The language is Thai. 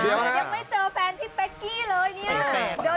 ยังไม่เจอแฟนพี่เป๊กกี้เลยเนี่ย